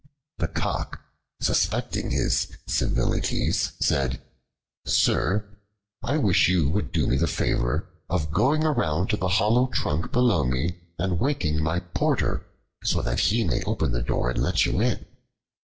The Cock, suspecting his civilities, said: "Sir, I wish you would do me the favor of going around to the hollow trunk below me, and waking my porter, so that he may open the door and let you in."